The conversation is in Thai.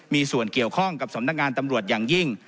มีส่วนเกี่ยวข้องกับสำนักงานตำรวจอย่างยิ่ง